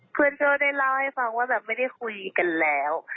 เพื่อนเขาได้เล่าให้ฟังว่าไม่ได้คุยกันแล้ว